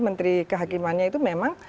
menteri kehakimannya itu memang